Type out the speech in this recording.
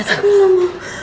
aku gak mau